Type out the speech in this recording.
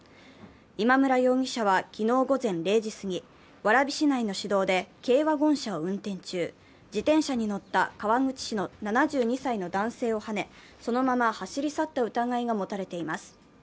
今村容疑者は昨日午前０時過ぎ、蕨市内の市道で、軽ワゴン車を運転中、自転車に乗った川口市の７２歳の男性をはね、そのまま走り去った疑いが持たれています。